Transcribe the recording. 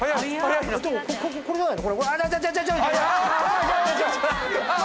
でもこれじゃないの？